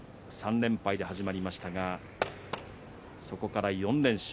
３連敗から始まりましたがそこから４連勝。